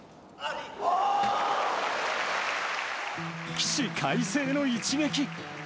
起死回生の一撃。